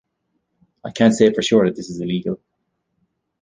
I can't say for sure that this is illegal.